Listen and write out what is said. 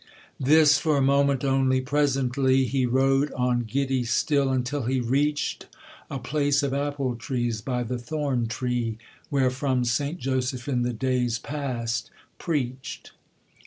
This for a moment only, presently He rode on giddy still, until he reach'd A place of apple trees, by the thorn tree Wherefrom St. Joseph in the days past preached.